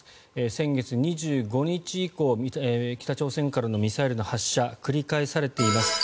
先月２５日以降北朝鮮からのミサイルの発射繰り返されています。